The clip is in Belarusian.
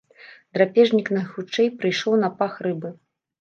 Драпежнік найхутчэй прыйшоў на пах рыбы.